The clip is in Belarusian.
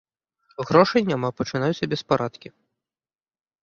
Грошай няма, пачынаюцца беспарадкі.